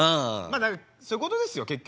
だからまあそういうことですよ結局。